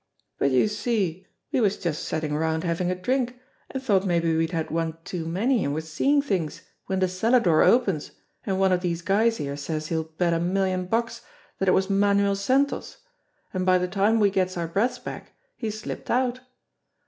But youse see we was just sittin' around havin' a drink, an' thought mabbe we'd had one too many an' was seein' things w'en de cellar door opens, an' one of dese guys here says he'll bet a million bucks dat it was Manuel Santos, an' by de time we gets our breaths back he's slipped out.